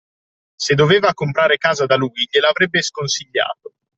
Se doveva comprare casa da lui gliela avrebbe sconsigliato